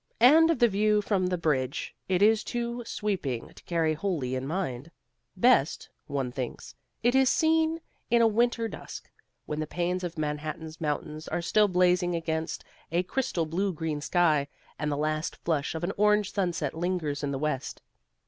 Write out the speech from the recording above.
And of the view from the bridge, it is too sweeping to carry wholly in mind. Best, one thinks, it is seen in a winter dusk, when the panes of Manhattan's mountains are still blazing against a crystal blue green sky, and the last flush of an orange sunset lingers in the west.